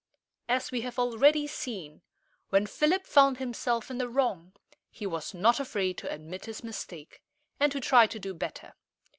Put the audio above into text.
As we have already seen, when Philip found himself in the wrong, he was not afraid to admit his mistake, and to try to do better.